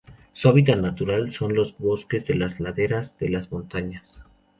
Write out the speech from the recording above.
Su hábitat natural son los bosques de las laderas de las montañas.